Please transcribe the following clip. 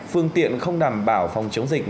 phương tiện không đảm bảo phòng chống dịch